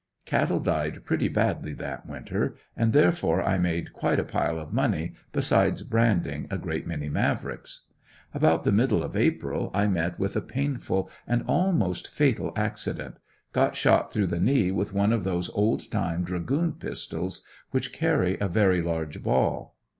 Cattle died pretty badly that winter and therefore I made quite a pile of money, besides branding a great many Mavricks. About the middle of April I met with a painful and almost fatal accident got shot through the knee with one of those old time dragoon pistols, which carry a very large ball.